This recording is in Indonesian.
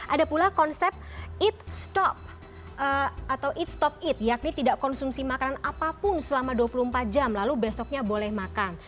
ada pula konsep eat stop atau eat stop eat yakni tidak konsumsi makanan apapun selama dua puluh empat jam lalu besoknya boleh makan